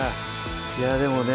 いやでもね